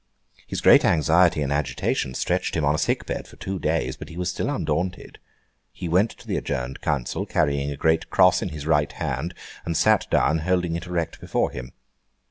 His great anxiety and agitation stretched him on a sick bed for two days, but he was still undaunted. He went to the adjourned council, carrying a great cross in his right hand, and sat down holding it erect before him.